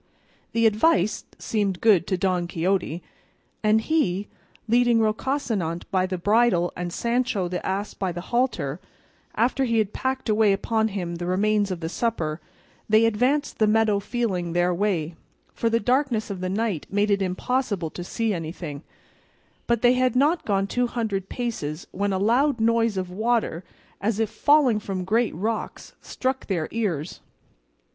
The advice seemed good to Don Quixote, and, he leading Rocinante by the bridle and Sancho the ass by the halter, after he had packed away upon him the remains of the supper, they advanced the meadow feeling their way, for the darkness of the night made it impossible to see anything; but they had not gone two hundred paces when a loud noise of water, as if falling from great rocks, struck their ears.